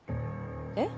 えっ？